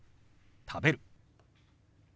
「食べる」。